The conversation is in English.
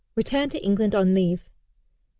Returned to England on leave. 1859.